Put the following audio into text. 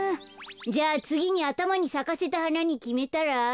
じゃあつぎにあたまにさかせたはなにきめたら？